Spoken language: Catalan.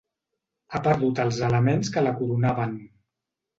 Ha perdut els elements que la coronaven.